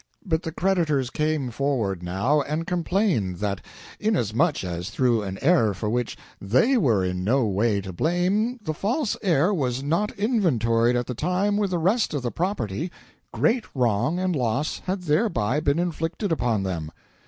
But the creditors came forward, now, and complained that inasmuch as through an error for which they were in no way to blame the false heir was not inventoried at the time with the rest of the property, great wrong and loss had thereby been inflicted upon them.